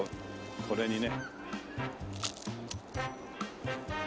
これにね。